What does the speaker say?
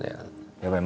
やばい！